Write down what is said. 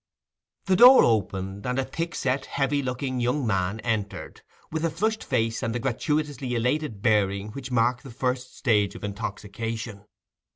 The door opened, and a thick set, heavy looking young man entered, with the flushed face and the gratuitously elated bearing which mark the first stage of intoxication.